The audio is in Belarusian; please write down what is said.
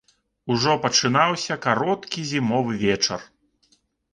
Ужо пачынаўся кароткі зімовы вечар.